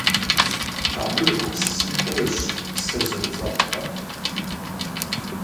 Абы егупсысын хуейщ псыр зыуцӀэпӀхэр.